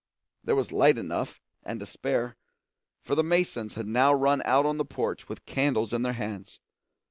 There was light enough, and to spare, for the Masons had now run out on the porch with candles in their hands.